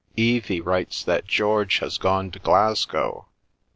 "Evie writes that George has gone to Glasgow.